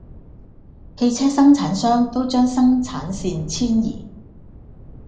汽車生產商都將生產線遷移